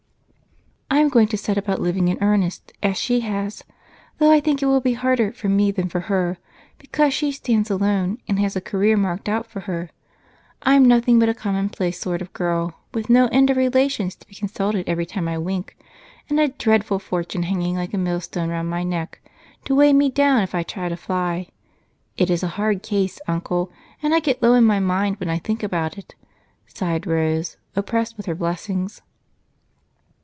"I'm going to set about living in earnest, as she has; though I think it will be harder for me than for her, because she stands alone and has a career marked out for her. I'm nothing but a commonplace sort of girl, with no end of relations to be consulted every time I wink and a dreadful fortune hanging like a millstone round my neck to weigh me down if I try to fly. It is a hard case, Uncle, and I get low in my mind when I think about it," sighed Rose, oppressed with her blessings.